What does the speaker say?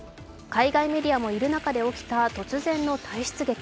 海外メディアもいる中で起きた突然の退出劇。